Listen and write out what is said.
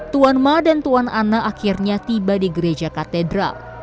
tuan ma dan tuan ana akhirnya tiba di gereja katedral